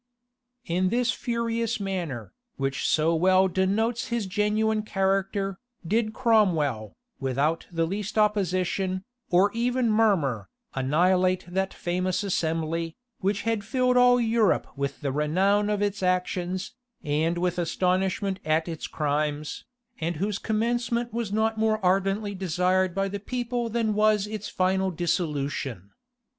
In this furious manner, which so well denotes his genuine character, did Cromwell, without the least opposition, or even murmur, annihilate that famous assembly, which had filled all Europe with the renown of its actions, and with astonishment at its crimes, and whose commencement was not more ardently desired by the people than was its final dissolution.